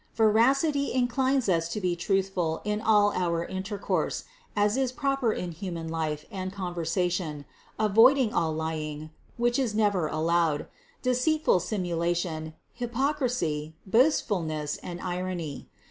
Veracity in clines us to be truthful in all our intercourse, as is proper in human life and conversation, avoiding all lying, (which is never allowed), deceitful simulation, hypocrisy, boastfulness and irony.